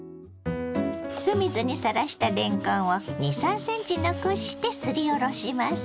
酢水にさらしたれんこんを２３ｃｍ残してすりおろします。